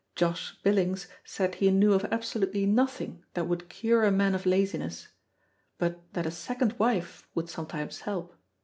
Josh Billings said he knew of absolutely nothing that would cure a man of laziness; but that a second wife would sometimes help.